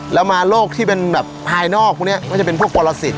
แล้วมาโรคที่เป็นแบบภายนอกพวกนี้ก็จะเป็นพวกปรสิทธ